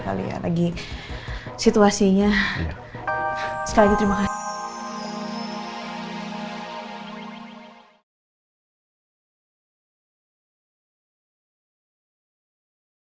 kali ya lagi situasinya sekali lagi terima kasih